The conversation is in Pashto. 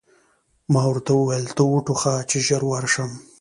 ما ورته وویل: ته و ټوخه، چې ژر ورشم.